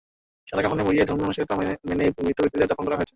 সাদা কাফনে মুড়িয়ে ধর্মীয় আনুষ্ঠানিকতা মেনেই মৃত ব্যক্তিদের দাফন করা হয়েছে।